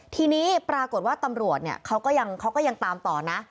ทีนี้ปรากฏว่าตำรวจเขาก็ยังตามต่อนะ